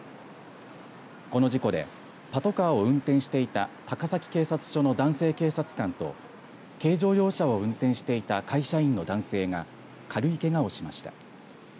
この事故でパトカーを運転していた高崎警察署の男性警察官と軽乗用車を運転していた会社員の男性が軽いけがをしました。